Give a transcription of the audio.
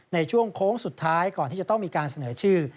ในช่วงโค้งสุดท้ายก่อนที่จะต้องมีการเสนอชื่อ